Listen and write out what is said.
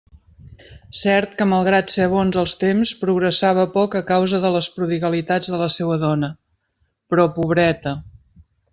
Cert que malgrat ser bons els temps, progressava poc a causa de les prodigalitats de la seua dona; però... pobreta!